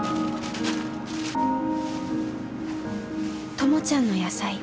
ともちゃんの野菜